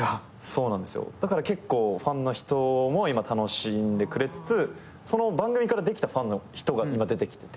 だから結構ファンの人も今楽しんでくれつつその番組からできたファンの人が今出てきてて。